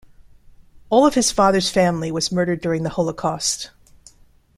All of his father's family was murdered during the Holocaust.